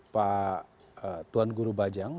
pak tuan guru bajang